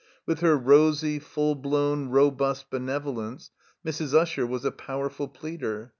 With her rosy, full blown, robust benevolence, Mrs. Usher was a powerful pleader.